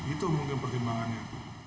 itu mungkin pertimbangannya